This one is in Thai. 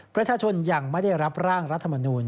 ประชาชนยังไม่ได้รับร่างรัฐมนูล